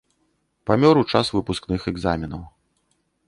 Памёр у час выпускных экзаменаў.